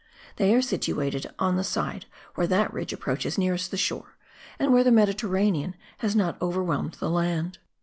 They are situated on the side where that ridge approaches nearest the shore, and where the Mediterranean has not overwhelmed the land.